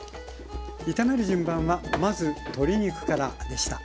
炒める順番はまず鶏肉からでした。